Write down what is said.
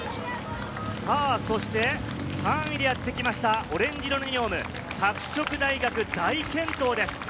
３位でやってきましたオレンジ色のユニフォーム、拓殖大学大健闘です。